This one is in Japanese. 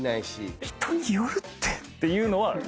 人によるって！っていうのは何かこう。